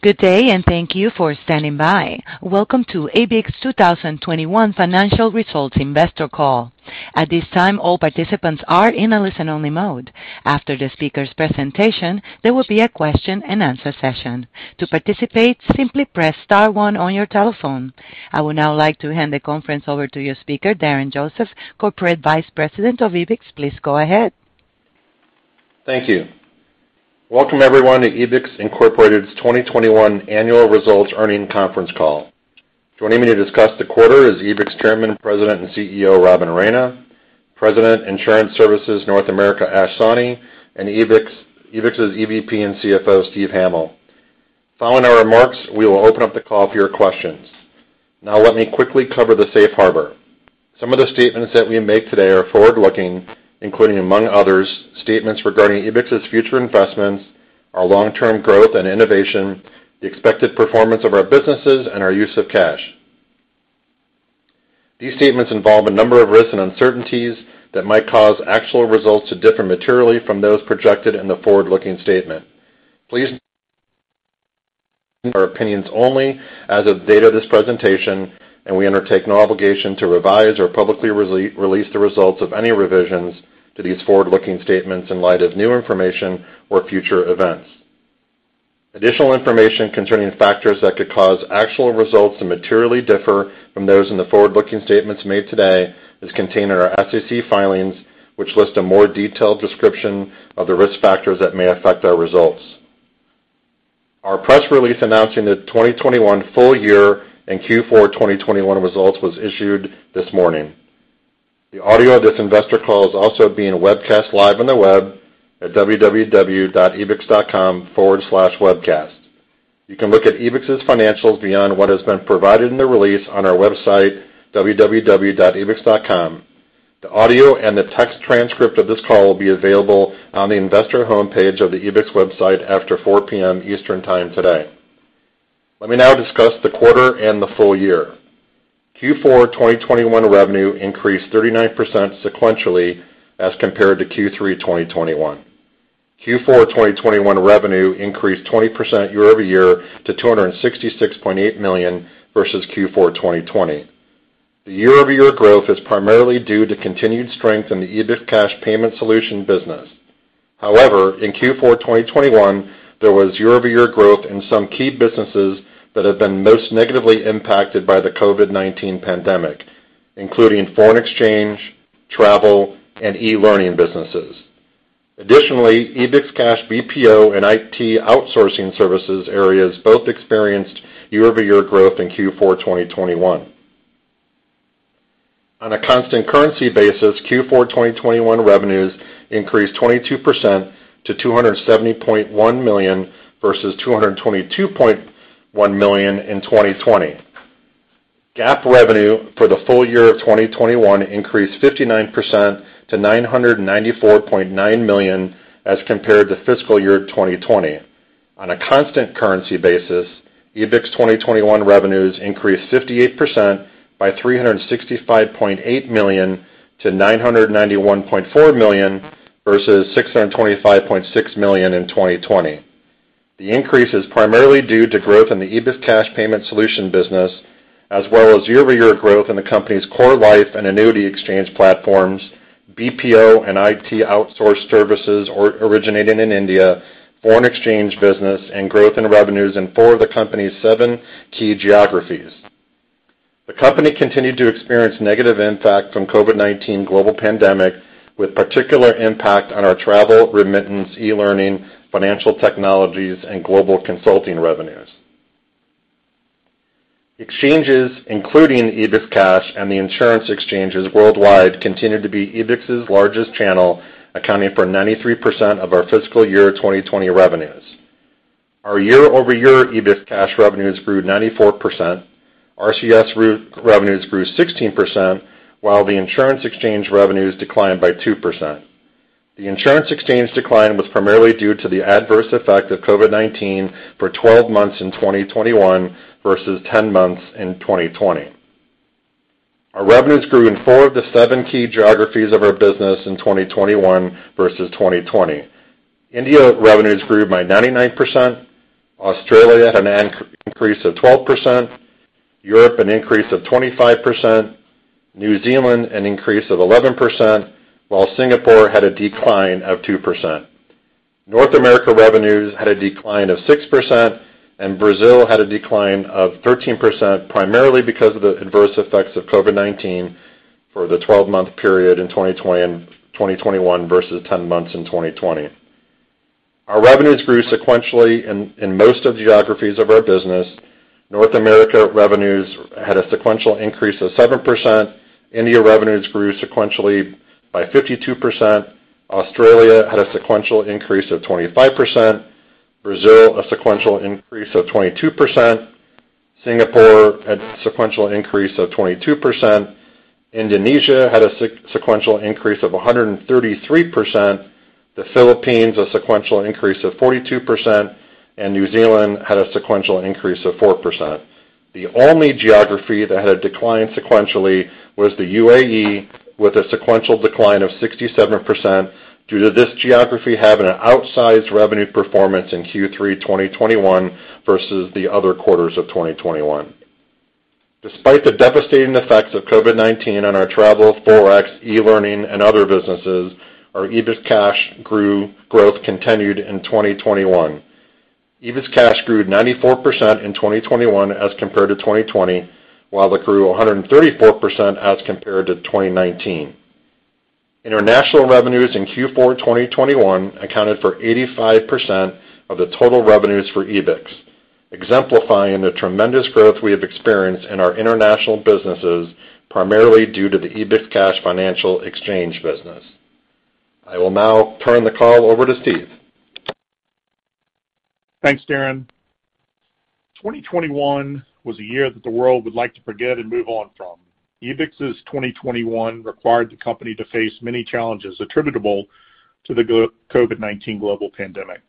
Good day, thank you for standing by. Welcome to Ebix 2021 financial results investor call. At this time, all participants are in a listen-only mode. After the speaker's presentation, there will be a question-and-answer session. To participate, simply press star one on your telephone. I would now like to hand the conference over to your speaker, Darren Joseph, Corporate Vice President of Ebix. Please go ahead. Thank you. Welcome everyone to Ebix, Inc.'s 2021 annual results earnings conference call. Joining me to discuss the quarter is Ebix Chairman, President, and CEO, Robin Raina, President, Insurance Solutions North America, Ash Sawhney, and Ebix's EVP and CFO, Steve Hamil. Following our remarks, we will open up the call for your questions. Now let me quickly cover the safe harbor. Some of the statements that we make today are forward-looking, including among others, statements regarding Ebix's future investments, our long-term growth and innovation, the expected performance of our businesses, and our use of cash. These statements involve a number of risks and uncertainties that might cause actual results to differ materially from those projected in the forward-looking statement. Please note that these opinions are opinions only as of the date of this presentation, and we undertake no obligation to revise or publicly release the results of any revisions to these forward-looking statements in light of new information or future events. Additional information concerning factors that could cause actual results to materially differ from those in the forward-looking statements made today is contained in our SEC filings, which list a more detailed description of the risk factors that may affect our results. Our press release announcing the 2021 full year and Q4 2021 results was issued this morning. The audio of this investor call is also being webcast live on the web at www.ebix.com/webcast. You can look at Ebix's financials beyond what has been provided in the release on our website, www.ebix.com. The audio and the text transcript of this call will be available on the investor homepage of the Ebix website after 4:00 P.M. Eastern Time today. Let me now discuss the quarter and the full year. Q4 2021 revenue increased 39% sequentially as compared to Q3 2021. Q4 2021 revenue increased 20% year-over-year to $266.8 million versus Q4 2020. The year-over-year growth is primarily due to continued strength in the Ebix Cash Payment Solution business. However, in Q4 2021, there was year-over-year growth in some key businesses that have been most negatively impacted by the COVID-19 pandemic, including foreign exchange, travel, and e-learning businesses. Additionally, Ebix Cash BPO and IT outsourcing services areas both experienced year-over-year growth in Q4 2021. On a constant currency basis, Q4 2021 revenues increased 22% to $270.1 million versus $222.1 million in 2020. GAAP revenue for the full year of 2021 increased 59% to $994.9 million as compared to fiscal year of 2020. On a constant currency basis, Ebix 2021 revenues increased 58% by $365.8 million to $991.4 million versus $625.6 million in 2020. The increase is primarily due to growth in the EbixCash Payment Solution business, as well as year-over-year growth in the company's core life and annuity exchange platforms, BPO and IT outsourcing services originated in India, foreign exchange business, and growth in revenues in four of the company's seven key geographies. The company continued to experience negative impact from COVID-19 global pandemic, with particular impact on our travel, remittance, e-learning, financial technologies, and global consulting revenues. Exchanges, including EbixCash and the insurance exchanges worldwide, continued to be Ebix's largest channel, accounting for 93% of our fiscal year 2020 revenues. Our year-over-year EbixCash revenues grew 94%, RCS revenues grew 16%, while the insurance exchange revenues declined by 2%. The insurance exchange decline was primarily due to the adverse effect of COVID-19 for 12 months in 2021 versus 10 months in 2020. Our revenues grew in four of the seven key geographies of our business in 2021 versus 2020. India revenues grew by 99%. Australia had an increase of 12%. Europe, an increase of 25%. New Zealand, an increase of 11%, while Singapore had a decline of 2%. North America revenues had a decline of 6%, and Brazil had a decline of 13%, primarily because of the adverse effects of COVID-19 for the 12-month period in 2021 versus ten months in 2020. Our revenues grew sequentially in most of the geographies of our business. North America revenues had a sequential increase of 7%. India revenues grew sequentially by 52%. Australia had a sequential increase of 25%. Brazil, a sequential increase of 22%. Singapore had sequential increase of 22%. Indonesia had a sequential increase of 133%. The Philippines, a sequential increase of 42%, and New Zealand had a sequential increase of 4%. The only geography that had a decline sequentially was the UAE, with a sequential decline of 67% due to this geography having an outsized revenue performance in Q3 2021 versus the other quarters of 2021. Despite the devastating effects of COVID-19 on our travel, Forex, e-learning, and other businesses, our EbixCash growth continued in 2021. EbixCash grew 94% in 2021 as compared to 2020, while it grew 134% as compared to 2019. International revenues in Q4 2021 accounted for 85% of the total revenues for Ebix, exemplifying the tremendous growth we have experienced in our international businesses, primarily due to the EbixCash financial exchange business. I will now turn the call over to Steve. Thanks, Darren. 2021 was a year that the world would like to forget and move on from. Ebix's 2021 required the company to face many challenges attributable to the COVID-19 global pandemic.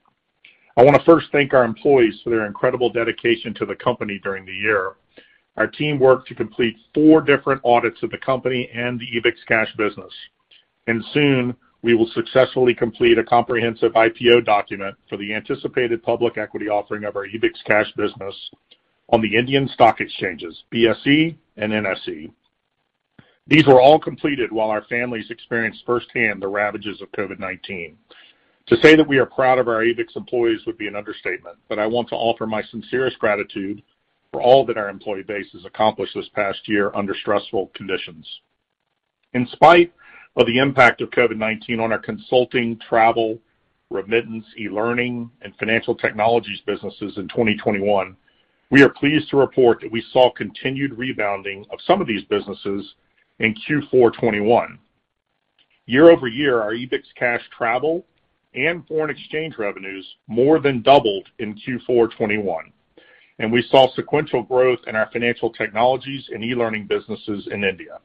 I wanna first thank our employees for their incredible dedication to the company during the year. Our team worked to complete 4 different audits of the company and the EbixCash business. Soon, we will successfully complete a comprehensive IPO document for the anticipated public equity offering of our EbixCash business on the Indian stock exchanges, BSE and NSE. These were all completed while our families experienced firsthand the ravages of COVID-19. To say that we are proud of our Ebix employees would be an understatement, but I want to offer my sincerest gratitude for all that our employee base has accomplished this past year under stressful conditions. In spite of the impact of COVID-19 on our consulting, travel, remittance, e-learning, and financial technologies businesses in 2021, we are pleased to report that we saw continued rebounding of some of these businesses in Q4 2021. Year-over-year, our EbixCash travel and foreign exchange revenues more than doubled in Q4 2021, and we saw sequential growth in our financial technologies and e-learning businesses in India.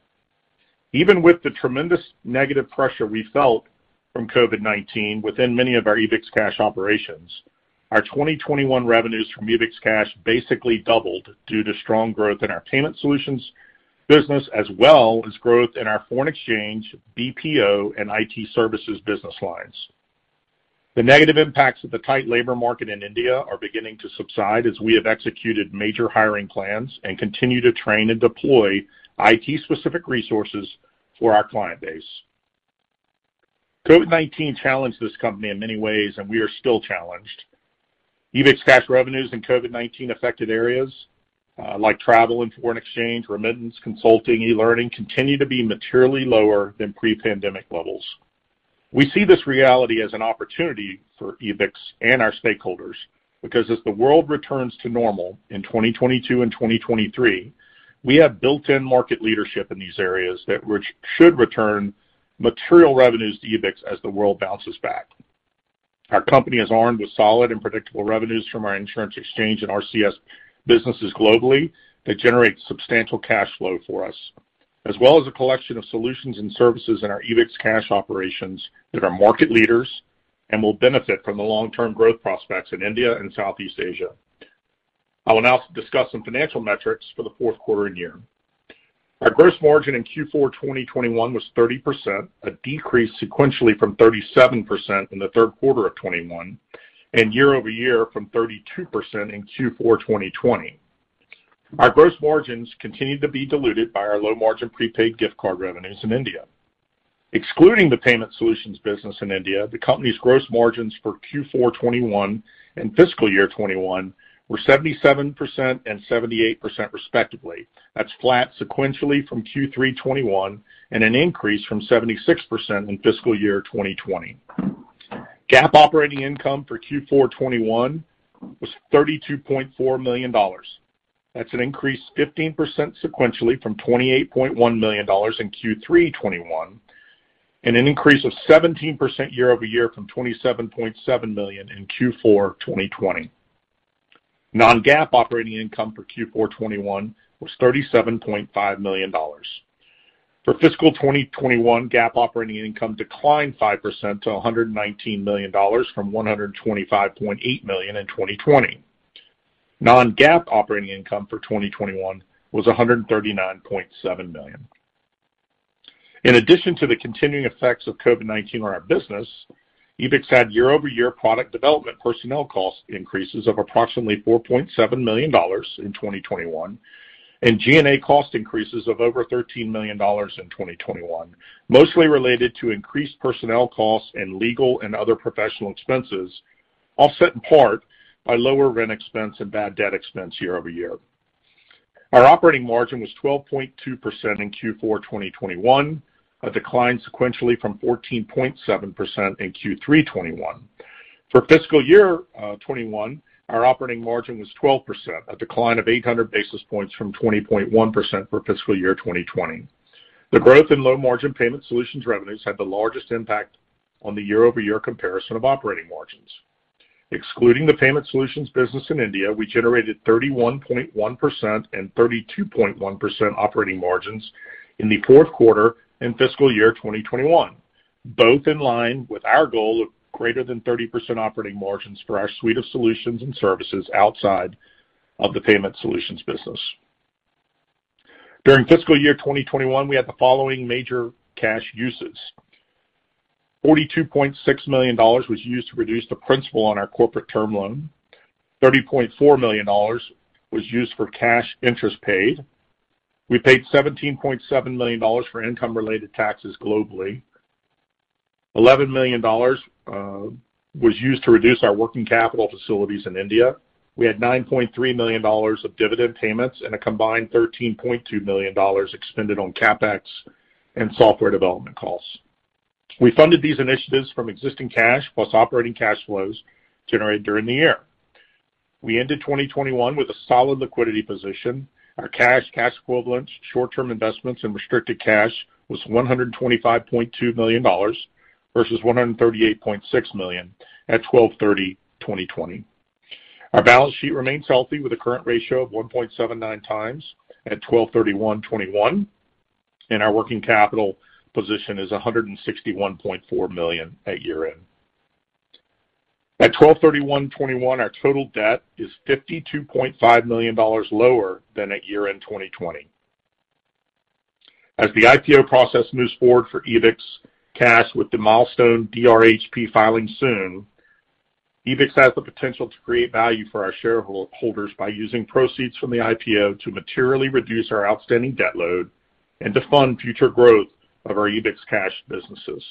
Even with the tremendous negative pressure we felt from COVID-19 within many of our EbixCash operations, our 2021 revenues from EbixCash basically doubled due to strong growth in our payment solutions business as well as growth in our foreign exchange, BPO, and IT services business lines. The negative impacts of the tight labor market in India are beginning to subside as we have executed major hiring plans and continue to train and deploy IT-specific resources for our client base. COVID-19 challenged this company in many ways, and we are still challenged. EbixCash revenues in COVID-19 affected areas, like travel and foreign exchange, remittance, consulting, e-learning, continue to be materially lower than pre-pandemic levels. We see this reality as an opportunity for Ebix and our stakeholders because as the world returns to normal in 2022 and 2023, we have built in market leadership in these areas that should return material revenues to Ebix as the world bounces back. Our company is armed with solid and predictable revenues from our insurance exchange and RCS businesses globally that generate substantial cash flow for us, as well as a collection of solutions and services in our EbixCash operations that are market leaders and will benefit from the long-term growth prospects in India and Southeast Asia. I will now discuss some financial metrics for the fourth quarter and year. Our gross margin in Q4 2021 was 30%, a decrease sequentially from 37% in the third quarter of 2021, and year-over-year from 32% in Q4 2020. Our gross margins continued to be diluted by our low-margin prepaid gift card revenues in India. Excluding the payment solutions business in India, the company's gross margins for Q4 2021 and fiscal year 2021 were 77% and 78% respectively. That's flat sequentially from Q3 2021 and an increase from 76% in fiscal year 2020. GAAP operating income for Q4 2021 was $32.4 million. That's an increase 15% sequentially from $28.1 million in Q3 2021 and an increase of 17% year-over-year from $27.7 million in Q4 2020. Non-GAAP operating income for Q4 2021 was $37.5 million. For fiscal 2021, GAAP operating income declined 5% to $119 million from $125.8 million in 2020. Non-GAAP operating income for 2021 was $139.7 million. In addition to the continuing effects of COVID-19 on our business, Ebix had year-over-year product development personnel cost increases of approximately $4.7 million in 2021 and G&A cost increases of over $13 million in 2021, mostly related to increased personnel costs and legal and other professional expenses, offset in part by lower rent expense and bad debt expense year-over-year. Our operating margin was 12.2% in Q4 2021, a decline sequentially from 14.7% in Q3 2021. For fiscal year 2021, our operating margin was 12%, a decline of 800 basis points from 20.1% for fiscal year 2020. The growth in low-margin payment solutions revenues had the largest impact on the year-over-year comparison of operating margins. Excluding the payment solutions business in India, we generated 31.1% and 32.1% operating margins in the fourth quarter and fiscal year 2021. Both in line with our goal of greater than 30% operating margins for our suite of solutions and services outside of the payment solutions business. During fiscal year 2021, we had the following major cash uses. $42.6 million was used to reduce the principal on our corporate term loan. $30.4 million was used for cash interest paid. We paid $17.7 million for income related taxes globally. $11 million was used to reduce our working capital facilities in India. We had $9.3 million of dividend payments and a combined $13.2 million expended on CapEx and software development costs. We funded these initiatives from existing cash, plus operating cash flows generated during the year. We ended 2021 with a solid liquidity position. Our cash equivalents, short-term investments and restricted cash was $125.2 million versus $138.6 million at 12/30/2020. Our balance sheet remains healthy with a current ratio of 1.79 times at 12/31/2021, and our working capital position is $161.4 million at year-end. At 12/31/2021, our total debt is $52.5 million lower than at year-end 2020. As the IPO process moves forward for EbixCash with the milestone DRHP filing soon, Ebix has the potential to create value for our shareholders by using proceeds from the IPO to materially reduce our outstanding debt load and to fund future growth of our EbixCash businesses.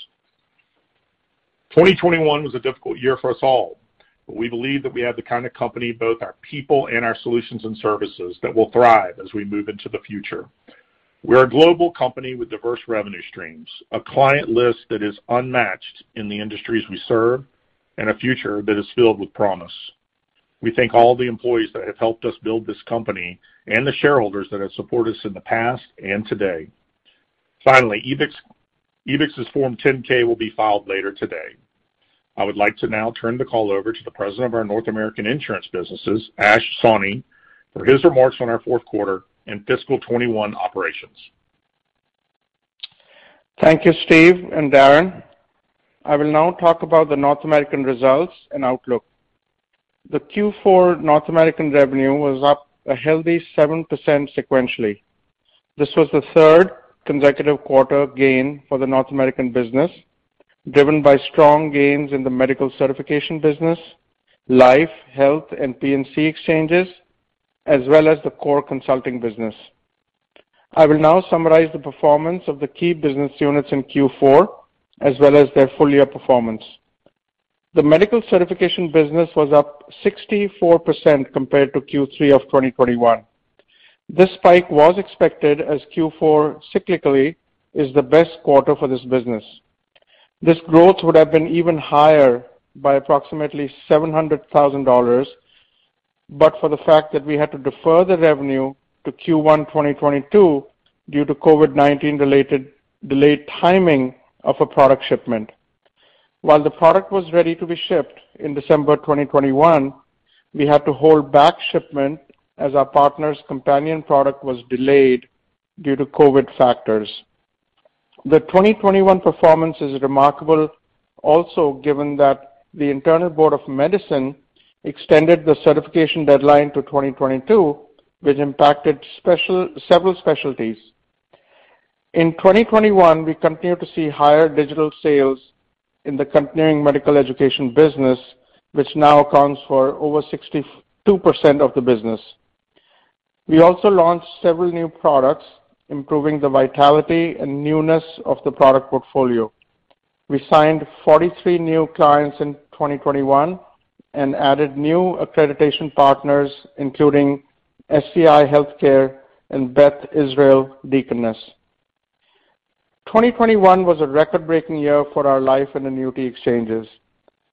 2021 was a difficult year for us all, but we believe that we have the kind of company, both our people and our solutions and services, that will thrive as we move into the future. We're a global company with diverse revenue streams, a client list that is unmatched in the industries we serve, and a future that is filled with promise. We thank all the employees that have helped us build this company and the shareholders that have supported us in the past and today. Finally, Ebix's Form 10-K will be filed later today. I would like to now turn the call over to the President of our North American Insurance Businesses, Ash Sawhney, for his remarks on our fourth quarter and fiscal 2021 operations. Thank you, Steve and Darren. I will now talk about the North American results and outlook. The Q4 North American revenue was up a healthy 7% sequentially. This was the third consecutive quarter gain for the North American business, driven by strong gains in the medical certification business, life, health, and P&C exchanges, as well as the core consulting business. I will now summarize the performance of the key business units in Q4, as well as their full year performance. The medical certification business was up 64% compared to Q3 of 2021. This spike was expected as Q4 cyclically is the best quarter for this business. This growth would have been even higher by approximately $700,000. For the fact that we had to defer the revenue to Q1 2022 due to COVID-19 related delayed timing of a product shipment. While the product was ready to be shipped in December 2021, we had to hold back shipment as our partner's companion product was delayed due to COVID factors. The 2021 performance is remarkable also given that the American Board of Internal Medicine extended the certification deadline to 2022, which impacted several specialties. In 2021, we continued to see higher digital sales in the continuing medical education business, which now accounts for over 62% of the business. We also launched several new products, improving the vitality and newness of the product portfolio. We signed 43 new clients in 2021 and added new accreditation partners, including SCI Healthcare and Beth Israel Deaconess Medical Center. 2021 was a record-breaking year for our life and annuity exchanges.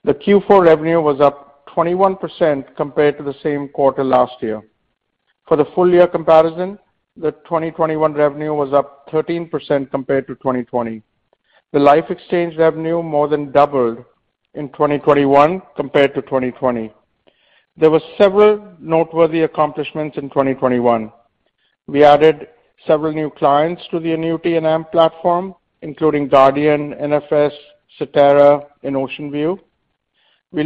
The Q4 revenue was up 21% compared to the same quarter last year. For the full year comparison, the 2021 revenue was up 13% compared to 2020. The life exchange revenue more than doubled in 2021 compared to 2020. There were several noteworthy accomplishments in 2021. We added several new clients to the annuity and AMP platform, including Guardian, NFS, Cetera, and Oceanview. We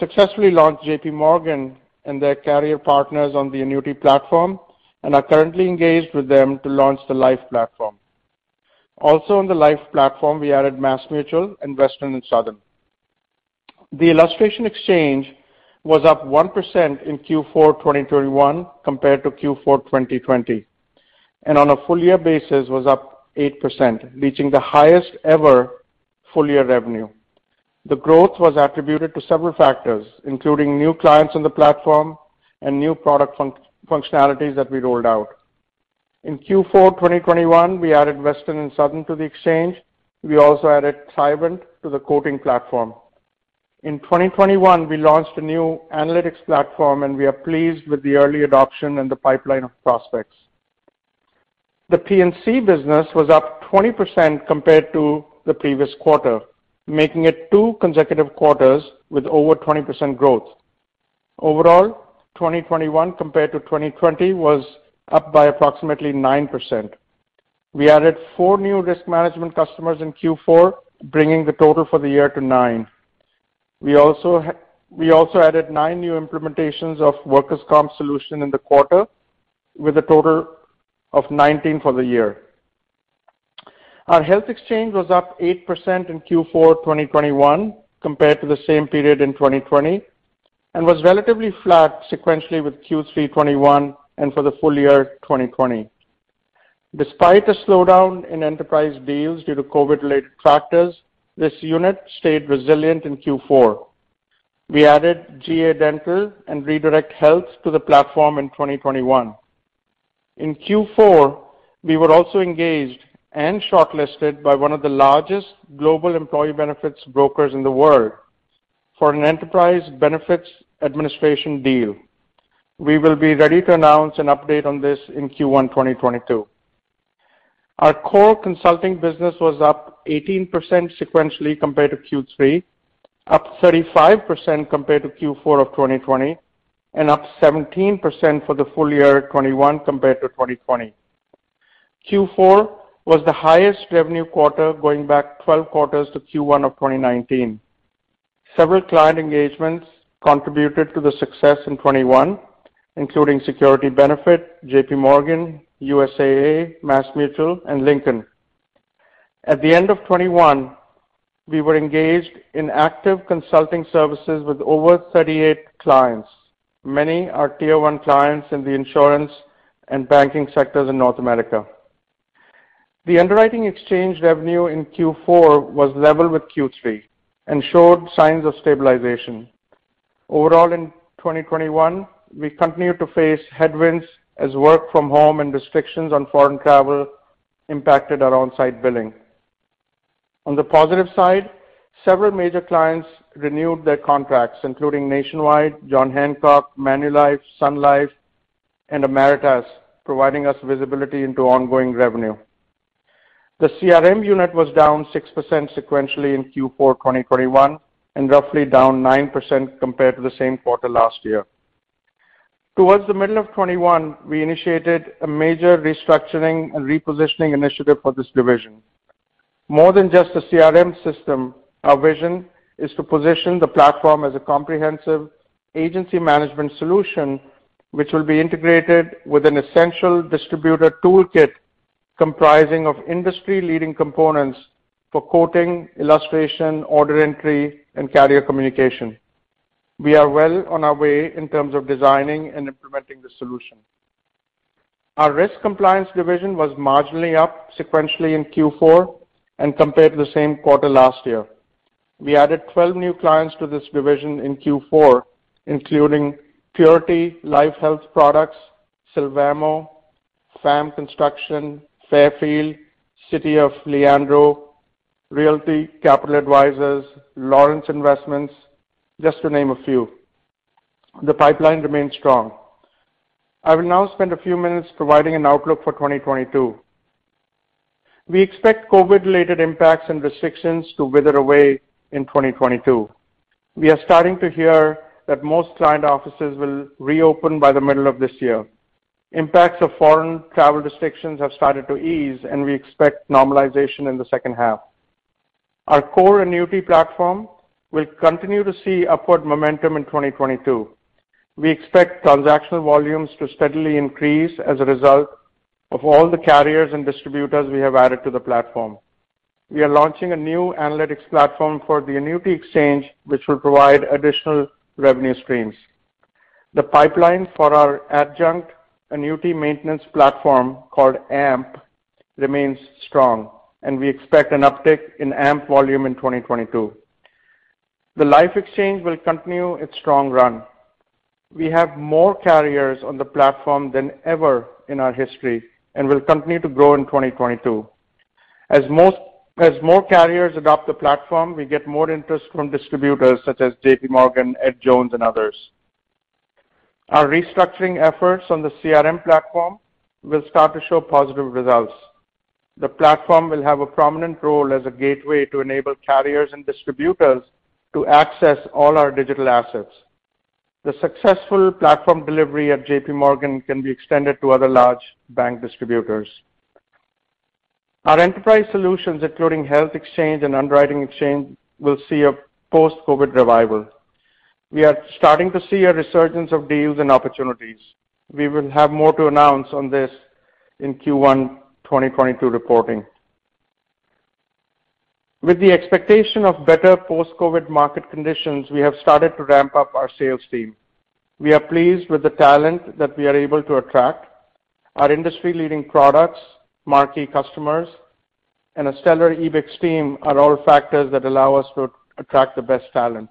successfully launched JPMorgan and their carrier partners on the annuity platform and are currently engaged with them to launch the life platform. Also on the life platform, we added MassMutual, Investec, and Southern. The illustration exchange was up 1% in Q4 2021 compared to Q4 2020, and on a full year basis was up 8%, reaching the highest ever full year revenue. The growth was attributed to several factors, including new clients on the platform and new product functionalities that we rolled out. In Q4 2021, we added Western & Southern to the exchange. We also added CYBINT to the quoting platform. In 2021, we launched a new analytics platform, and we are pleased with the early adoption and the pipeline of prospects. The P&C business was up 20% compared to the previous quarter, making it two consecutive quarters with over 20% growth. Overall, 2021 compared to 2020 was up by approximately 9%. We added four new risk management customers in Q4, bringing the total for the year to nine. We also added nine new implementations of workers' comp solution in the quarter, with a total of 19 for the year. Our health exchange was up 8% in Q4 2021 compared to the same period in 2020, and was relatively flat sequentially with Q3 2021 and for the full year 2020. Despite a slowdown in enterprise deals due to COVID-related factors, this unit stayed resilient in Q4. We added GA Dental and Redirect Health to the platform in 2021. In Q4, we were also engaged and shortlisted by one of the largest global employee benefits brokers in the world for an enterprise benefits administration deal. We will be ready to announce an update on this in Q1 2022. Our core consulting business was up 18% sequentially compared to Q3, up 35% compared to Q4 of 2020, and up 17% for the full year 2021 compared to 2020. Q4 was the highest revenue quarter going back 12 quarters to Q1 of 2019. Several client engagements contributed to the success in 2021, including Security Benefit, JPMorgan, USAA, MassMutual, and Lincoln. At the end of 2021, we were engaged in active consulting services with over 38 clients. Many are tier one clients in the insurance and banking sectors in North America. The underwriting exchange revenue in Q4 was level with Q3 and showed signs of stabilization. Overall, in 2021, we continued to face headwinds as work from home and restrictions on foreign travel impacted our on-site billing. On the positive side, several major clients renewed their contracts, including Nationwide, John Hancock, Manulife, Sun Life, and Ameritas, providing us visibility into ongoing revenue. The CRM unit was down 6% sequentially in Q4 2021 and roughly down 9% compared to the same quarter last year. Towards the middle of 2021, we initiated a major restructuring and repositioning initiative for this division. More than just a CRM system, our vision is to position the platform as a comprehensive agency management solution which will be integrated with an essential distributor toolkit comprising of industry-leading components for quoting, illustration, order entry, and carrier communication. We are well on our way in terms of designing and implementing the solution. Our risk compliance division was marginally up sequentially in Q4 and compared to the same quarter last year. We added 12 new clients to this division in Q4, including Purity, Life Health Products, Sylvamo, FAM Construction, Fairfield, City of San Leandro, Realty Capital Advisors, Lawrence Investments, just to name a few. The pipeline remains strong. I will now spend a few minutes providing an outlook for 2022. We expect COVID-related impacts and restrictions to wither away in 2022. We are starting to hear that most client offices will reopen by the middle of this year. Impacts of foreign travel restrictions have started to ease, and we expect normalization in the second half. Our core annuity platform will continue to see upward momentum in 2022. We expect transactional volumes to steadily increase as a result of all the carriers and distributors we have added to the platform. We are launching a new analytics platform for the annuity exchange, which will provide additional revenue streams. The pipeline for our adjunct annuity maintenance platform, called AMP, remains strong, and we expect an uptick in AMP volume in 2022. The life exchange will continue its strong run. We have more carriers on the platform than ever in our history and will continue to grow in 2022. As more carriers adopt the platform, we get more interest from distributors such as JP Morgan, Edward Jones, and others. Our restructuring efforts on the CRM platform will start to show positive results. The platform will have a prominent role as a gateway to enable carriers and distributors to access all our digital assets. The successful platform delivery at JPMorgan can be extended to other large bank distributors. Our enterprise solutions, including health exchange and underwriting exchange, will see a post-COVID revival. We are starting to see a resurgence of deals and opportunities. We will have more to announce on this in Q1 2022 reporting. With the expectation of better post-COVID market conditions, we have started to ramp up our sales team. We are pleased with the talent that we are able to attract. Our industry-leading products, marquee customers, and a stellar Ebix team are all factors that allow us to attract the best talent.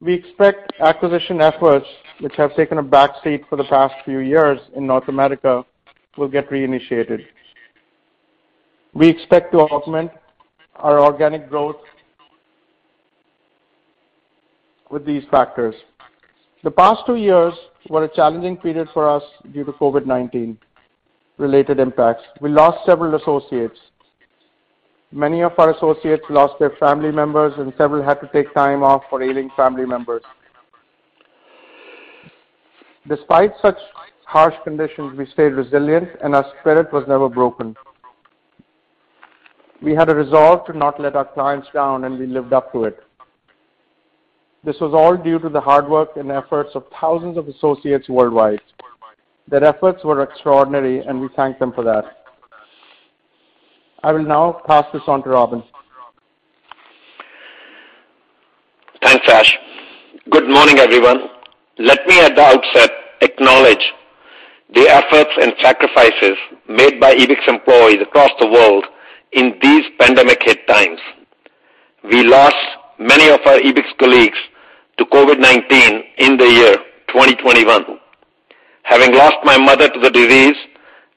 We expect acquisition efforts which have taken a back seat for the past few years in North America will get reinitiated. We expect to augment our organic growth with these factors. The past two years were a challenging period for us due to COVID-19 related impacts. We lost several associates. Many of our associates lost their family members, and several had to take time off for ailing family members. Despite such harsh conditions, we stayed resilient, and our spirit was never broken. We had a resolve to not let our clients down, and we lived up to it. This was all due to the hard work and efforts of thousands of associates worldwide. Their efforts were extraordinary, and we thank them for that. I will now pass this on to Robin. Thanks, Ash. Good morning, everyone. Let me at the outset acknowledge the efforts and sacrifices made by Ebix employees across the world in these pandemic-hit times. We lost many of our Ebix colleagues to COVID-19 in the year 2021. Having lost my mother to the disease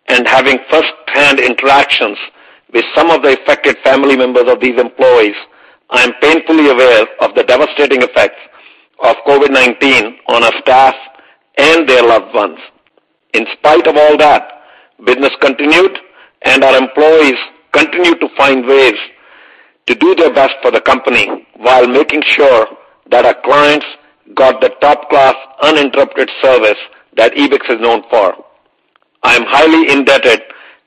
and having firsthand interactions with some of the affected family members of these employees, I am painfully aware of the devastating effects of COVID-19 on our staff and their loved ones. In spite of all that, business continued, and our employees continued to find ways to do their best for the company while making sure that our clients got the top-class, uninterrupted service that Ebix is known for. I am highly indebted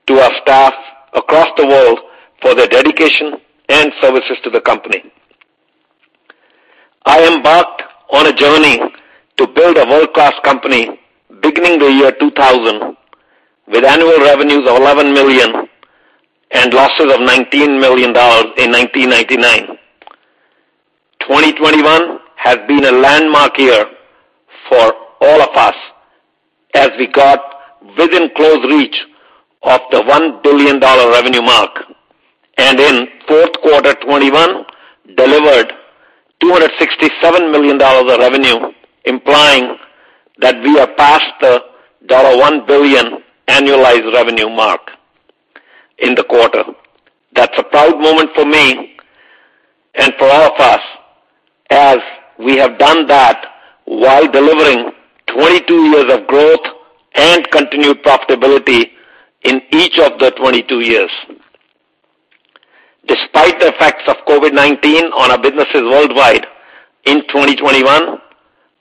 to our staff across the world for their dedication and services to the company. I embarked on a journey to build a world-class company beginning the year 2000 with annual revenues of $11 million and losses of $19 million in 1999. 2021 has been a landmark year for all of us as we got within close reach of the $1 billion revenue mark, and in fourth quarter 2021 delivered $267 million of revenue, implying that we are past the $1 billion annualized revenue mark in the quarter. That's a proud moment for me and for all of us, as we have done that while delivering 22 years of growth and continued profitability in each of the 22 years. Despite the effects of COVID-19 on our businesses worldwide in 2021,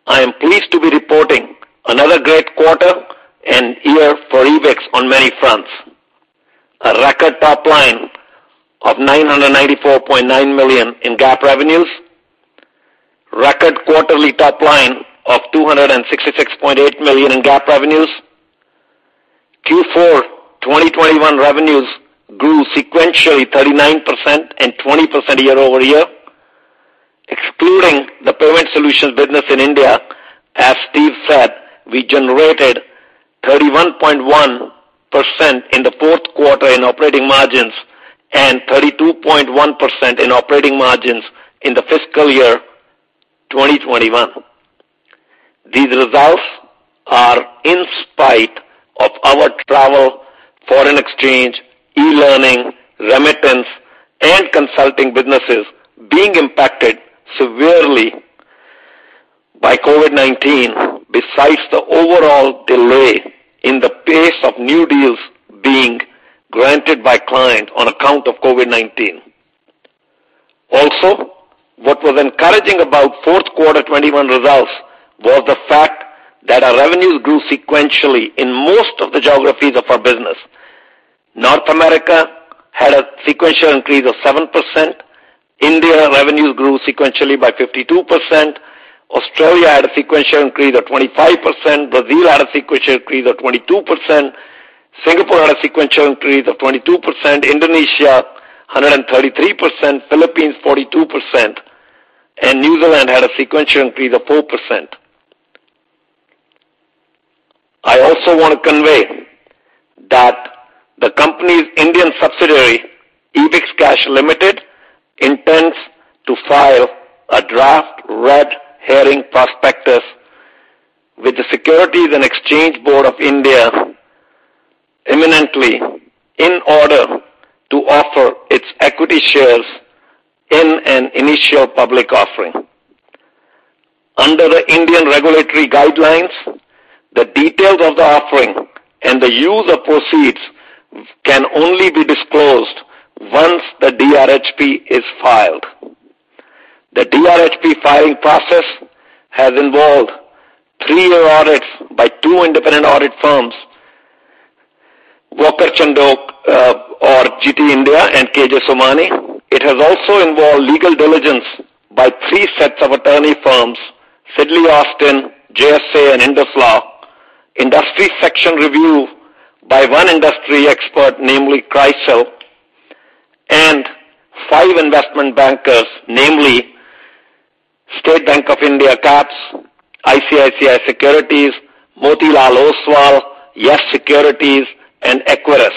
I am pleased to be reporting another great quarter and year for Ebix on many fronts. A record top line of $994.9 million in GAAP revenues. Record quarterly top line of $266.8 million in GAAP revenues. Q4 2021 revenues grew sequentially 39% and 20% year-over-year. Excluding the Payment Solutions business in India, as Steve said, we generated 31.1% in the fourth quarter in operating margins and 32.1% in operating margins in the fiscal year 2021. These results are in spite of our travel, foreign exchange, e-learning, remittance, and consulting businesses being impacted severely by COVID-19, besides the overall delay in the pace of new deals being granted by client on account of COVID-19. Also, what was encouraging about fourth quarter 2021 results was the fact that our revenues grew sequentially in most of the geographies of our business. North America had a sequential increase of 7%. India revenues grew sequentially by 52%. Australia had a sequential increase of 25%. Brazil had a sequential increase of 22%. Singapore had a sequential increase of 22%. Indonesia, 133%. Philippines, 42%. New Zealand had a sequential increase of 4%. I also wanna convey that the company's Indian subsidiary, EbixCash Limited, intends to file a draft red herring prospectus with the Securities and Exchange Board of India imminently in order to offer its equity shares in an initial public offering. Under the Indian regulatory guidelines, the details of the offering and the use of proceeds can only be disclosed once the DRHP is filed. The DRHP filing process has involved three-year audits by two independent audit firms, Walker Chandiok and GT India and KG Somani. It has also involved legal diligence by three sets of attorney firms, Sidley Austin, JSA, and IndusLaw. Industry section review by one industry expert, namely CRISIL, and five investment bankers, namely SBI Capital Markets, ICICI Securities, Motilal Oswal, Yes Securities, and Equirus.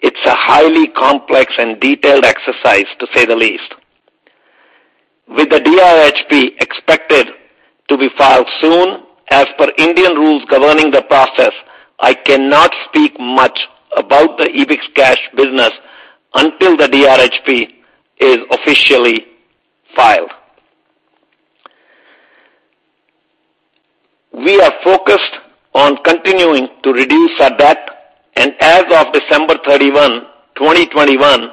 It's a highly complex and detailed exercise to say the least. With the DRHP expected to be filed soon, as per Indian rules governing the process, I cannot speak much about the EbixCash business until the DRHP is officially filed. We are focused on continuing to reduce our debt, and as of December 31, 2021,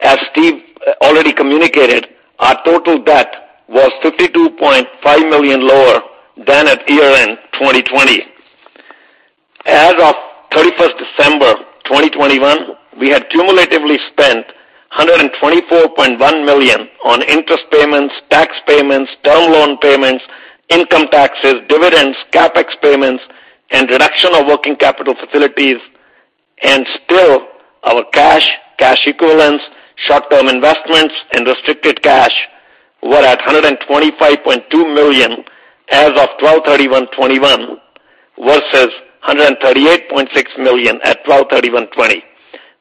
as Steve already communicated, our total debt was $52.5 million lower than at year-end 2020. As of December 31, 2021, we had cumulatively spent $124.1 million on interest payments, tax payments, term loan payments, income taxes, dividends, CapEx payments, and reduction of working capital facilities. Still, our cash equivalents, short-term investments, and restricted cash were at $125.2 million as of 12/31/2021 versus $138.6 million at 12/31/2020.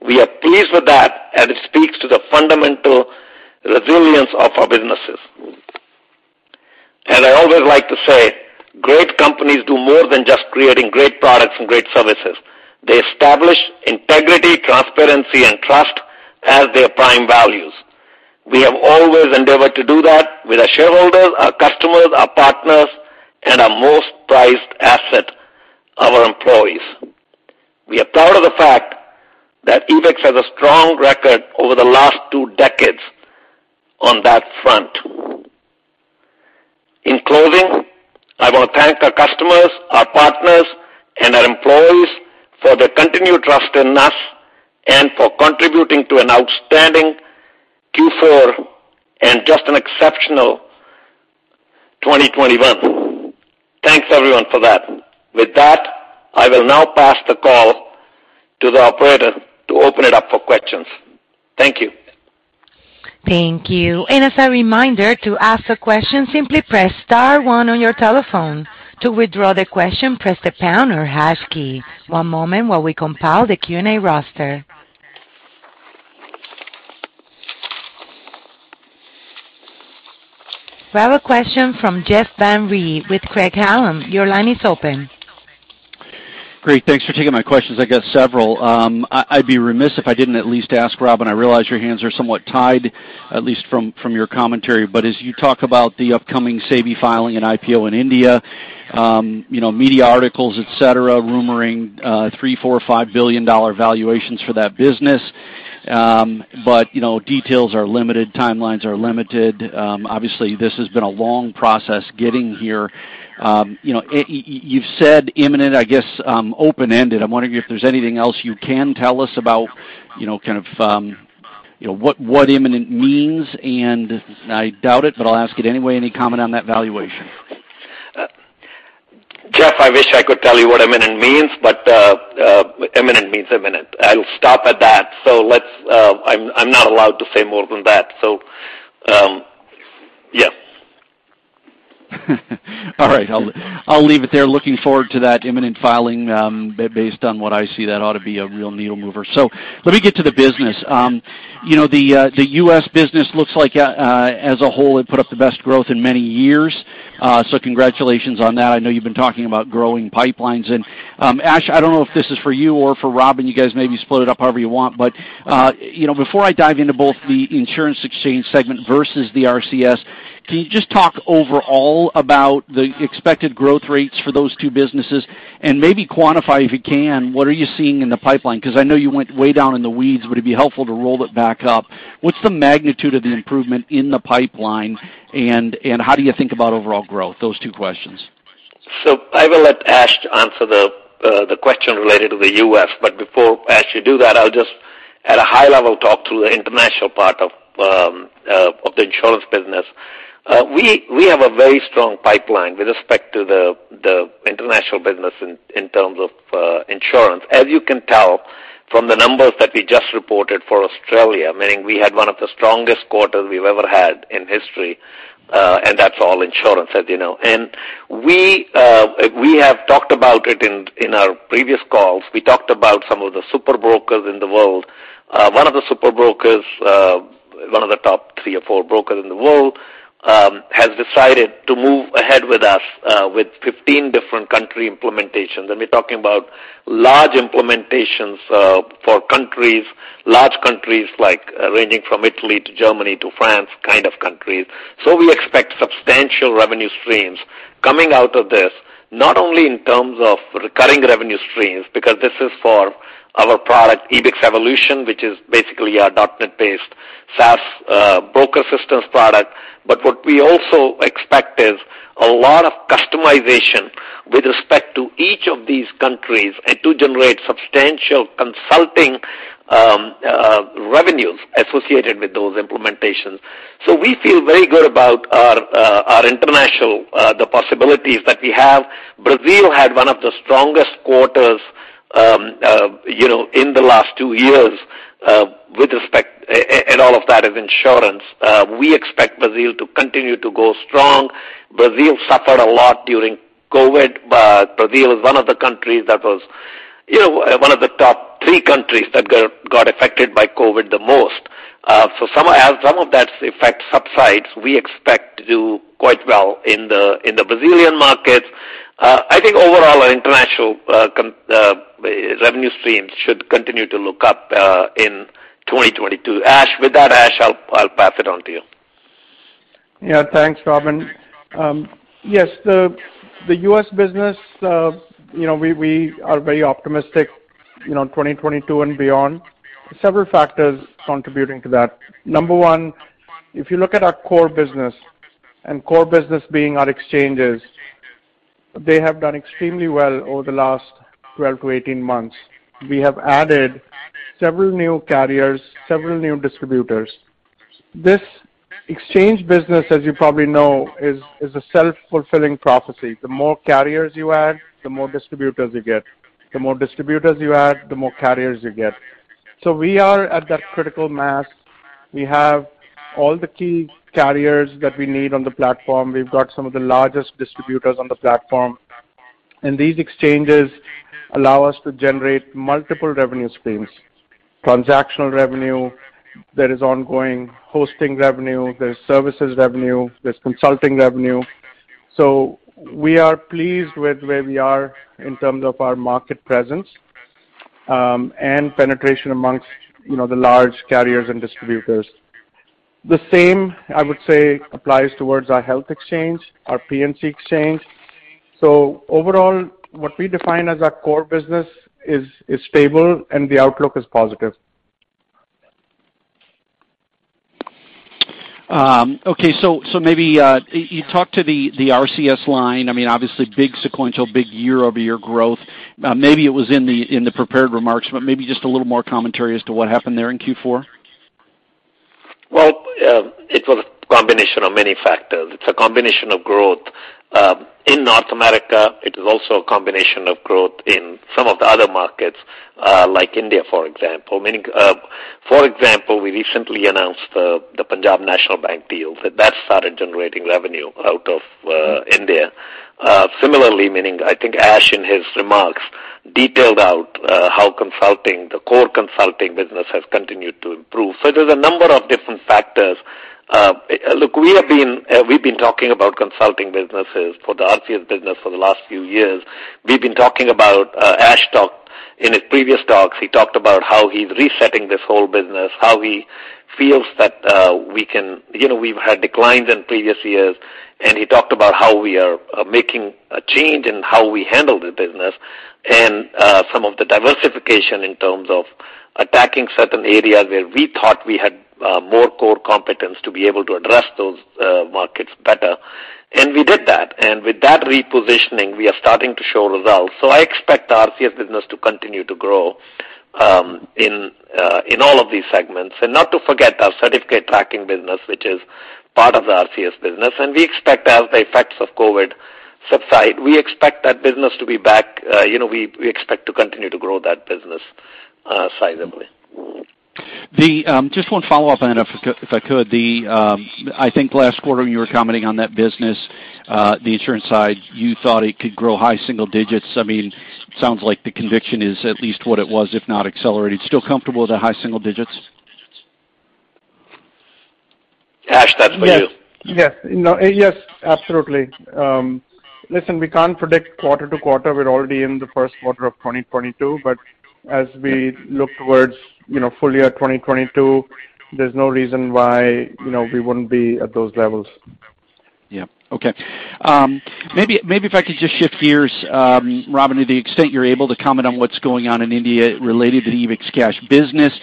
We are pleased with that, and it speaks to the fundamental resilience of our businesses. I always like to say, great companies do more than just creating great products and great services. They establish integrity, transparency and trust as their prime values. We have always endeavored to do that with our shareholders, our customers, our partners, and our most prized asset, our employees. We are proud of the fact that Ebix has a strong record over the last two decades on that front. In closing, I want to thank our customers, our partners and our employees for their continued trust in us and for contributing to an outstanding Q4 and just an exceptional 2021. Thanks, everyone, for that. With that, I will now pass the call to the operator to open it up for questions. Thank you. Thank you. As a reminder to ask a question, simply press star one on your telephone. To withdraw the question, press the pound or hash key. One moment while we compile the Q&A roster. We have a question from Jeff Van Rhee with Craig-Hallum. Your line is open. Great. Thanks for taking my questions. I got several. I'd be remiss if I didn't at least ask Robin. I realize your hands are somewhat tied, at least from your commentary. As you talk about the upcoming SEBI filing and IPO in India, you know, media articles, etc., rumoring $3 billion, $4 billion, $5 billion valuations for that business. You know, details are limited, timelines are limited. Obviously this has been a long process getting here. You know, you've said imminent, I guess, open-ended. I'm wondering if there's anything else you can tell us about, you know, kind of, you know, what imminent means and I doubt it, but I'll ask it anyway, any comment on that valuation? Jeff, I wish I could tell you what imminent means, but imminent means imminent. I'll stop at that. I'm not allowed to say more than that, so yes. All right. I'll leave it there. Looking forward to that imminent filing. Based on what I see, that ought to be a real needle mover. Let me get to the business. You know, the US business looks like as a whole, it put up the best growth in many years. Congratulations on that. I know you've been talking about growing pipelines, and Ash, I don't know if this is for you or for Robin. You guys maybe split it up however you want. You know, before I dive into both the insurance exchange segment versus the RCS, can you just talk overall about the expected growth rates for those two businesses and maybe quantify, if you can, what are you seeing in the pipeline? 'Cause I know you went way down in the weeds, but it'd be helpful to roll it back up. What's the magnitude of the improvement in the pipeline and how do you think about overall growth? Those two questions. I will let Ash answer the question related to the US, but before Ash you do that, I'll just at a high level talk to the international part of the insurance business. We have a very strong pipeline with respect to the international business in terms of insurance. As you can tell from the numbers that we just reported for Australia, meaning we had one of the strongest quarters we've ever had in history, and that's all insurance, as you know. We have talked about it in our previous calls. We talked about some of the super brokers in the world. One of the super brokers, one of the top 3 or 4 brokers in the world, has decided to move ahead with us with 15 different country implementations. We're talking about large implementations for countries, large countries like ranging from Italy to Germany to France kind of countries. We expect substantial revenue streams coming out of this, not only in terms of recurring revenue streams, because this is for our product, Ebix Evolution, which is basically our .NET based SaaS broker systems product. What we also expect is a lot of customization with respect to each of these countries and to generate substantial consulting revenues associated with those implementations. We feel very good about our our international the possibilities that we have. Brazil had one of the strongest quarters in the last two years with respect to insurance. We expect Brazil to continue to go strong. Brazil suffered a lot during COVID, but Brazil is one of the countries that was, you know, one of the top three countries that got affected by COVID the most. So as some of that effect subsides, we expect to do quite well in the Brazilian market. I think overall revenue streams should continue to look up in 2022. With that, Ash, I'll pass it on to you. Yeah, thanks, Robin. Yes, the US business, we are very optimistic, 2022 and beyond. Several factors contributing to that. Number one, if you look at our core business, core business being our exchanges, they have done extremely well over the last 12-18 months. We have added several new carriers, several new distributors. This exchange business, as you probably know, is a self-fulfilling prophecy. The more carriers you add, the more distributors you get. The more distributors you add, the more carriers you get. We are at that critical mass. We have all the key carriers that we need on the platform. We've got some of the largest distributors on the platform. These exchanges allow us to generate multiple revenue streams. Transactional revenue, there is ongoing hosting revenue, there's services revenue, there's consulting revenue. We are pleased with where we are in terms of our market presence, and penetration among, you know, the large carriers and distributors. The same, I would say, applies toward our health exchange, our P&C exchange. Overall, what we define as our core business is stable and the outlook is positive. Okay, maybe you talked to the RCS line. I mean, obviously big sequential, big year-over-year growth. Maybe it was in the prepared remarks, but maybe just a little more commentary as to what happened there in Q4. Well, it was a combination of many factors. It's a combination of growth in North America. It is also a combination of growth in some of the other markets like India, for example. For example, we recently announced the Punjab National Bank deal that started generating revenue out of India. Similarly, I think Ash in his remarks detailed out how the core consulting business has continued to improve. There's a number of different factors. Look, we've been talking about consulting businesses for the RCS business for the last few years. In his previous talks, he talked about how he's resetting this whole business, how he feels that we can... You know, we've had declines in previous years, and he talked about how we are making a change in how we handle the business and some of the diversification in terms of attacking certain areas where we thought we had more core competence to be able to address those markets better. We did that. With that repositioning, we are starting to show results. I expect the RCS business to continue to grow in all of these segments. Not to forget our certificate tracking business, which is part of the RCS business. We expect as the effects of COVID subside, that business to be back. You know, we expect to continue to grow that business sizably. Just one follow-up on that, if I could. I think last quarter you were commenting on that business, the insurance side, you thought it could grow high single digits. I mean, sounds like the conviction is at least what it was, if not accelerated. Still comfortable with the high single digits? Ash, that's for you. Yes. Yes. No. Yes, absolutely. Listen, we can't predict quarter to quarter. We're already in the first quarter of 2022, but as we look towards, you know, full year 2022, there's no reason why, you know, we wouldn't be at those levels. Yeah. Okay. Maybe if I could just shift gears, Robin, to the extent you're able to comment on what's going on in India related to the EbixCash business.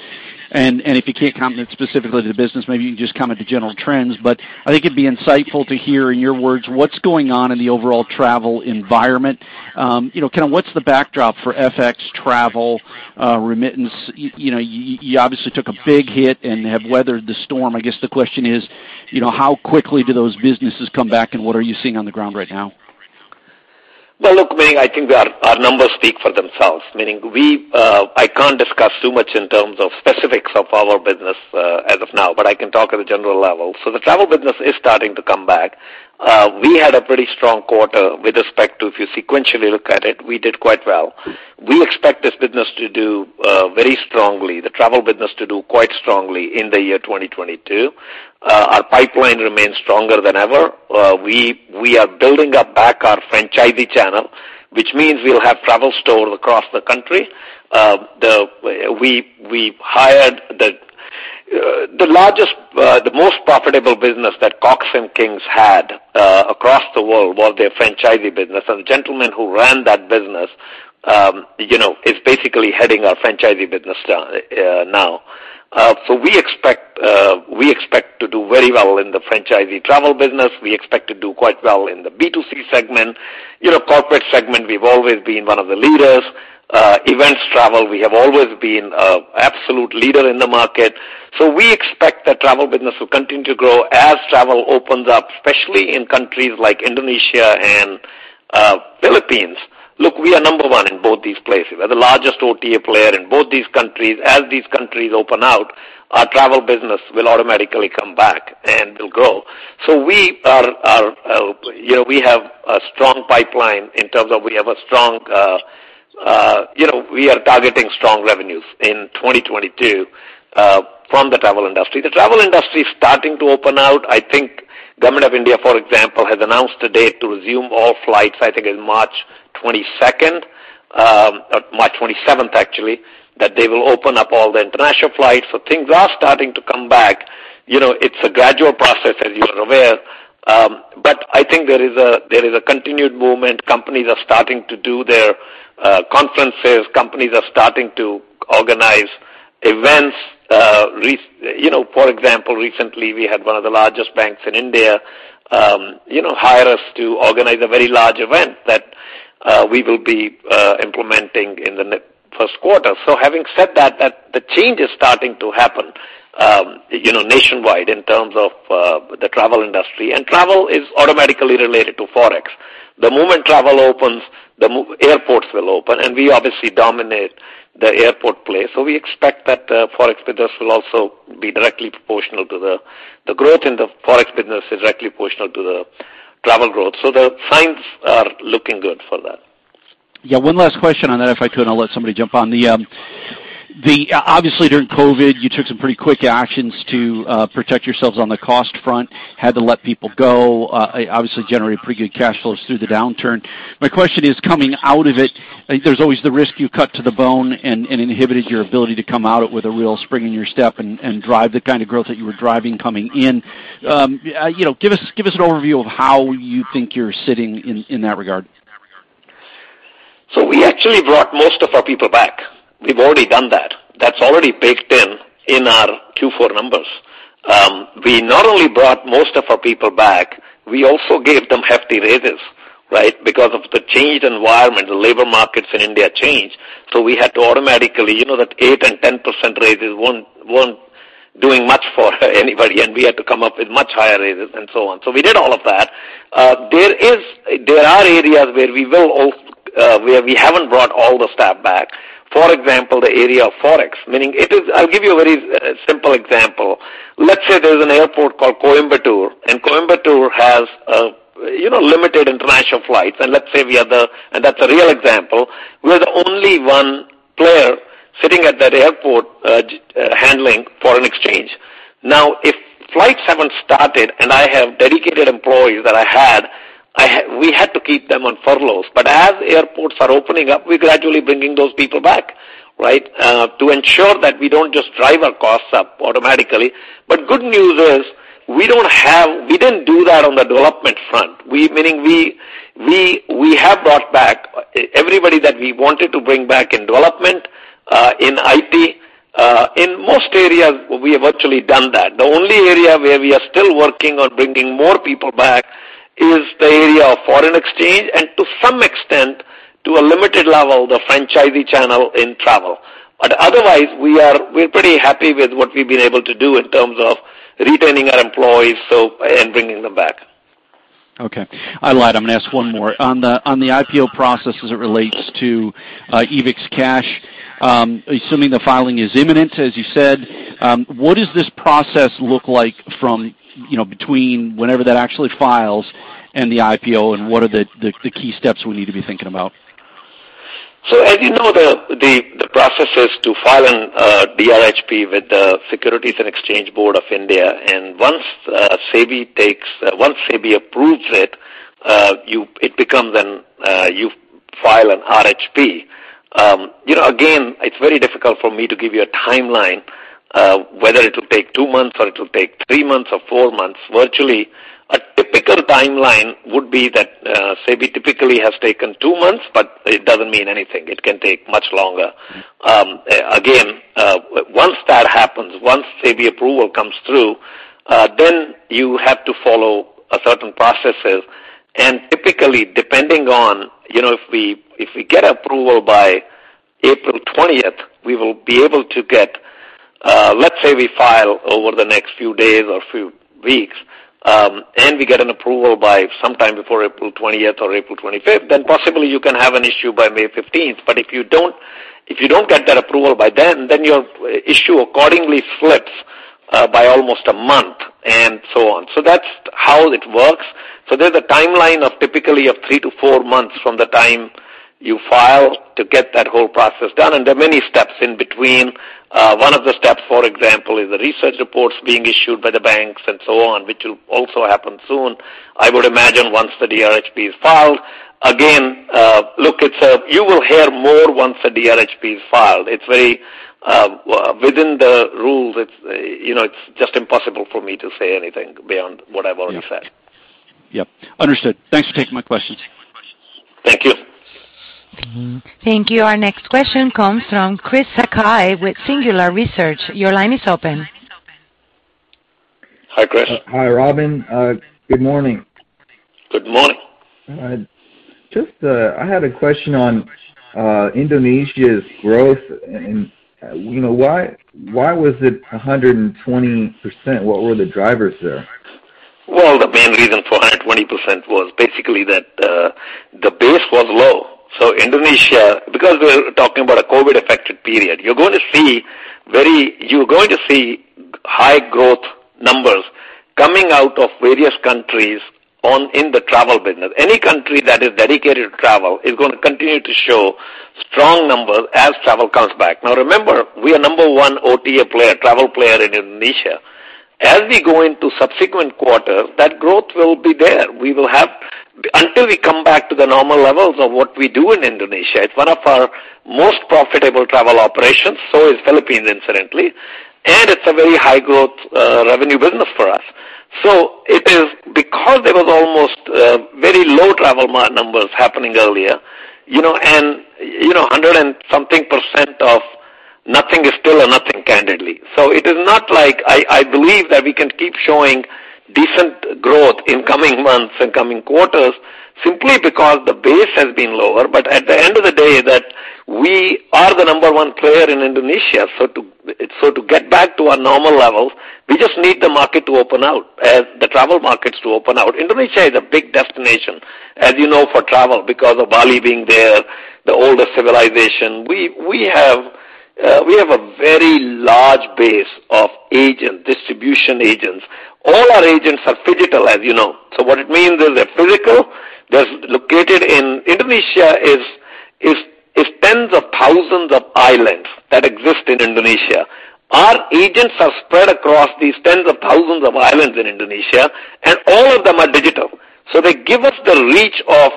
If you can't comment specifically to the business, maybe you can just comment to general trends. I think it'd be insightful to hear in your words what's going on in the overall travel environment. You know, kind of what's the backdrop for FX travel, remittance. You know, you obviously took a big hit and have weathered the storm. I guess the question is, you know, how quickly do those businesses come back and what are you seeing on the ground right now? Well, look, I mean, I think our numbers speak for themselves. Meaning, I can't discuss too much in terms of specifics of our business as of now, but I can talk at a general level. The travel business is starting to come back. We had a pretty strong quarter with respect to, if you sequentially look at it, we did quite well. We expect this business to do very strongly, the travel business to do quite strongly in the year 2022. Our pipeline remains stronger than ever. We are building back up our franchisee channel, which means we'll have travel stores across the country. We hired the largest, most profitable business that Cox & Kings had across the world, which was their franchisee business. The gentleman who ran that business, you know, is basically heading our franchisee business now. We expect to do very well in the franchisee travel business. We expect to do quite well in the B2C segment. You know, corporate segment, we've always been one of the leaders. Events travel, we have always been an absolute leader in the market. We expect that travel business will continue to grow as travel opens up, especially in countries like Indonesia and Philippines. Look, we are number one in both these places. We're the largest OTA player in both these countries. As these countries open out, our travel business will automatically come back and will grow. We are targeting strong revenues in 2022 from the travel industry. The travel industry is starting to open up. I think Government of India, for example, has announced a date to resume all flights. I think in March 27th, actually, that they will open up all the international flights. Things are starting to come back. You know, it's a gradual process, as you are aware. But I think there is a continued movement. Companies are starting to do their conferences. Companies are starting to organize events. You know, for example, recently we had one of the largest banks in India, you know, hire us to organize a very large event that, we will be, implementing in the first quarter. Having said that, the change is starting to happen, you know, nationwide in terms of, the travel industry. Travel is automatically related to Forex. The moment travel opens, the airports will open, and we obviously dominate the airport place. We expect that, Forex business will also be directly proportional to the-- The growth in the Forex business is directly proportional to the travel growth. The signs are looking good for that. Yeah. One last question on that, if I could, and I'll let somebody jump on. Obviously, during COVID, you took some pretty quick actions to protect yourselves on the cost front, had to let people go, obviously generate pretty good cash flows through the downturn. My question is, coming out of it, there's always the risk you cut to the bone and inhibited your ability to come out with a real spring in your step and drive the kind of growth that you were driving coming in. You know, give us an overview of how you think you're sitting in that regard. We actually brought most of our people back. We've already done that. That's already baked in our Q4 numbers. We not only brought most of our people back, we also gave them hefty raises, right? Because of the changed environment, the labor markets in India changed. We had to automatically, you know, that 8% and 10% raises won't do much for anybody, and we had to come up with much higher raises and so on. We did all of that. There are areas where we haven't brought all the staff back. For example, the area of Forex. I'll give you a very simple example. Let's say there's an airport called Coimbatore, and Coimbatore has limited international flights. That's a real example. We're the only one player sitting at that airport, handling foreign exchange. Now, if flights haven't started and I have dedicated employees that I had, we had to keep them on furloughs. As airports are opening up, we're gradually bringing those people back, right? To ensure that we don't just drive our costs up automatically. Good news is we didn't do that on the development front. Meaning we have brought back everybody that we wanted to bring back in development, in IT. In most areas, we have actually done that. The only area where we are still working on bringing more people back is the area of foreign exchange and to some extent, to a limited level, the franchisee channel in travel. We're pretty happy with what we've been able to do in terms of retaining our employees, so, and bringing them back. Okay. I lied. I'm gonna ask one more. On the IPO process as it relates to EbixCash, assuming the filing is imminent, as you said, what does this process look like from between whenever that actually files and the IPO, and what are the key steps we need to be thinking about? As you know, the process is to file a DRHP with the Securities and Exchange Board of India. Once SEBI approves it becomes a RHP. You file a RHP. You know, again, it's very difficult for me to give you a timeline whether it will take two months or it will take three months or four months. Virtually, a typical timeline would be that SEBI typically has taken two months, but it doesn't mean anything. It can take much longer. Again, once that happens, once SEBI approval comes through, then you have to follow a certain processes. Typically, depending on, you know, if we get approval by April 20th, we will be able to get, let's say we file over the next few days or few weeks, and we get an approval by sometime before April twentieth or April 25th, then possibly you can have an issue by May fifteenth. If you don't get that approval by then your issue accordingly slips by almost a month and so on. That's how it works. There's a timeline typically of three to four months from the time you file to get that whole process done, and there are many steps in between. One of the steps, for example, is the research reports being issued by the banks and so on, which will also happen soon, I would imagine once the DRHP is filed. You will hear more once the DRHP is filed. It's very within the rules, you know, it's just impossible for me to say anything beyond what I've already said. Yep. Understood. Thanks for taking my questions. Thank you. Thank you. Our next question comes from Chris Sakai with Singular Research. Your line is open. Hi, Chris. Hi, Robin. Good morning. Good morning. Just, I had a question on Indonesia's growth and, you know, why was it 100%? What were the drivers there? Well, the main reason for 120% was basically that, the base was low. Indonesia, because we're talking about a COVID-affected period, you're going to see high growth coming out of various countries in the travel business. Any country that is dedicated to travel is gonna continue to show strong numbers as travel comes back. Now remember, we are number one OTA player, travel player in Indonesia. As we go into subsequent quarters, that growth will be there. Until we come back to the normal levels of what we do in Indonesia, it's one of our most profitable travel operations. Philippines is, incidentally, and it's a very high-growth revenue business for us. It is because there was almost very low travel market numbers happening earlier, you know, and, you know, 100-something% of nothing is still a nothing, candidly. It is not like I believe that we can keep showing decent growth in coming months and coming quarters simply because the base has been lower. But at the end of the day, we are the number one player in Indonesia, so to get back to our normal levels, we just need the market to open out, the travel markets to open out. Indonesia is a big destination, as you know, for travel because of Bali being there, the older civilization. We have a very large base of agents, distribution agents. All our agents are Phygital, as you know. What it means is they're physical, they're located in Indonesia. Indonesia is tens of thousands of islands that exist in Indonesia. Our agents are spread across these tens of thousands of islands in Indonesia, and all of them are digital. They give us the reach of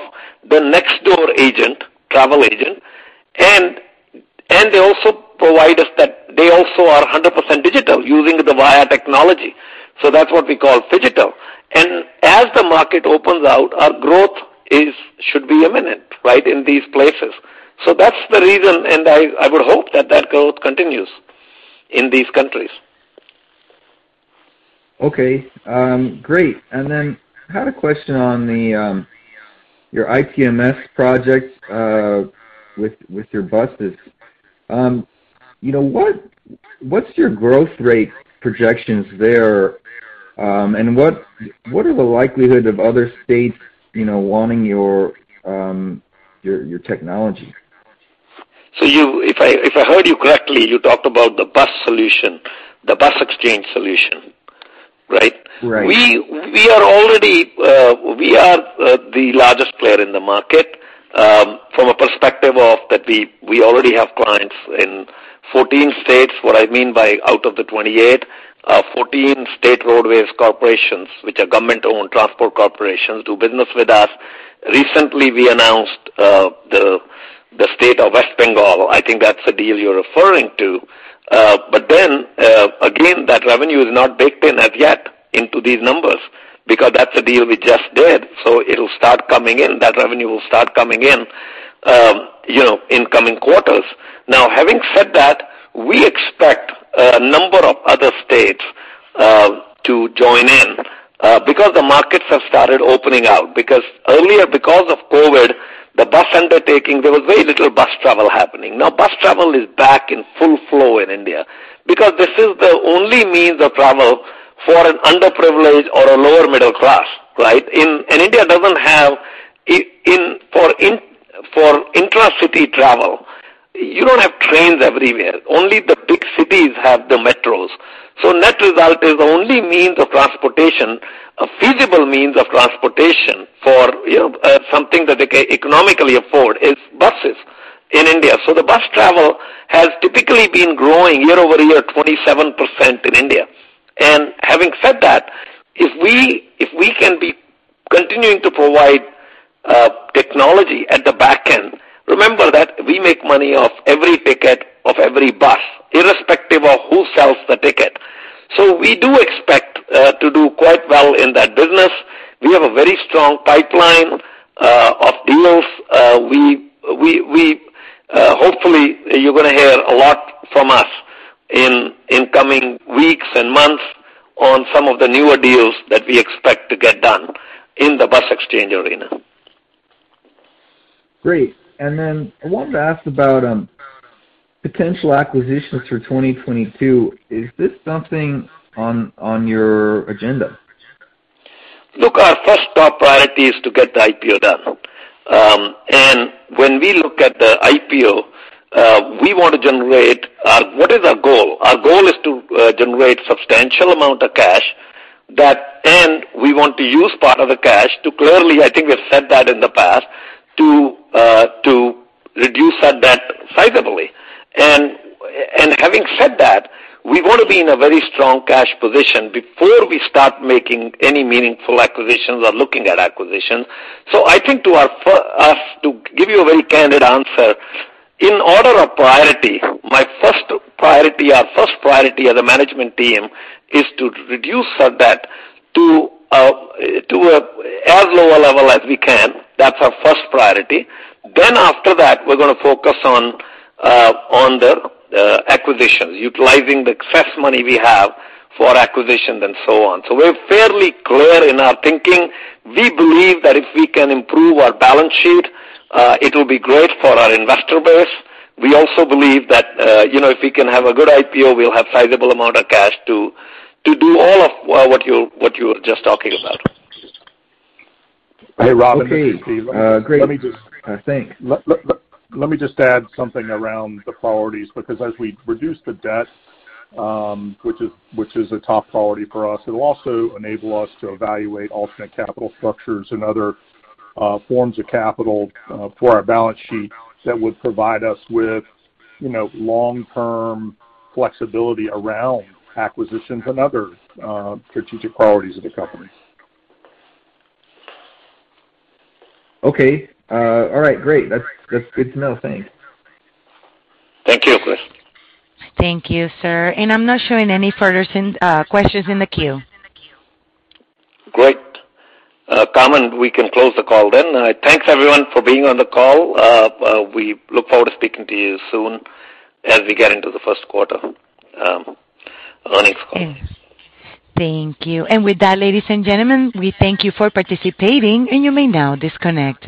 the next door agent, travel agent, and they also provide us that they are 100% digital using the via.com technology. That's what we call Phygital. As the market opens out, our growth should be imminent, right? In these places. That's the reason, and I would hope that growth continues in these countries. Okay. Great. I had a question on your ITMS project with your businesses. You know, what's your growth rate projections there, and what are the likelihood of other states wanting your technology? If I heard you correctly, you talked about the bus solution, the bus exchange solution, right? Right. We are already the largest player in the market, from a perspective of that we already have clients in 14 states. What I mean by out of the 28, 14 state roadways corporations, which are government-owned transport corporations, do business with us. Recently, we announced the State of West Bengal. I think that's the deal you're referring to. Again, that revenue is not baked in as yet into these numbers because that's a deal we just did. It'll start coming in. That revenue will start coming in, you know, in coming quarters. Now, having said that, we expect a number of other states to join in, because the markets have started opening out. Earlier, because of COVID, the bus undertaking, there was very little bus travel happening. Now, bus travel is back in full flow in India because this is the only means of travel for an underprivileged or a lower middle class, right? India doesn't have intra-city travel. You don't have trains everywhere. Only the big cities have the metros. Net result is the only means of transportation, a feasible means of transportation for, you know, something that they can economically afford is buses in India. The bus travel has typically been growing year-over-year, 27% in India. Having said that, if we can continue to provide technology at the back end, remember that we make money off every ticket of every bus, irrespective of who sells the ticket. We do expect to do quite well in that business. We have a very strong pipeline of deals. Hopefully you're gonna hear a lot from us in coming weeks and months on some of the newer deals that we expect to get done in the bus exchange arena. Great. I wanted to ask about potential acquisitions for 2022. Is this something on your agenda? Look, our first top priority is to get the IPO done. When we look at the IPO, we want to generate, what is our goal? Our goal is to generate substantial amount of cash and we want to use part of the cash to clearly, I think we've said that in the past, to reduce our debt sizably. Having said that, we want to be in a very strong cash position before we start making any meaningful acquisitions or looking at acquisitions. I think, to us, to give you a very candid answer, in order of priority, my first priority, our first priority as a management team is to reduce our debt to a as low a level as we can. That's our first priority. After that, we're gonna focus on the acquisitions, utilizing the excess money we have for acquisitions and so on. We're fairly clear in our thinking. We believe that if we can improve our balance sheet, it'll be great for our investor base. We also believe that, you know, if we can have a good IPO, we'll have sizable amount of cash to do all of what you were just talking about. Hey, Robin. Okay. Great. Let me just- I think. Let me just add something around the priorities, because as we reduce the debt, which is a top priority for us, it'll also enable us to evaluate alternate capital structures and other forms of capital for our balance sheet that would provide us with, you know, long-term flexibility around acquisitions and other strategic priorities of the company. Okay. All right. Great. That's good to know. Thanks. Thank you, Chris. Thank you, sir. I'm not showing any further questions in the queue. Great. Carmen, we can close the call then. Thanks everyone for being on the call. We look forward to speaking to you soon as we get into the first quarter earnings call. Thank you. With that, ladies and gentlemen, we thank you for participating, and you may now disconnect.